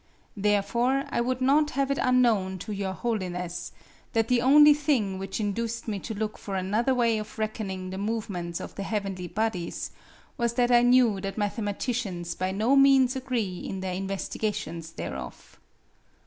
Therefore I would not have it unknown to Your Holiness, that the only thing which induced me to look for another way of reckoning the movements of the heavenly bodies was that I knew that mathematicians by no means agree in their investigations thereof.